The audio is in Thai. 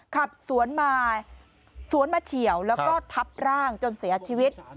ขับสวนมาสวนมาเฉียวแล้วก็ทับร่างจนเสียชีวิต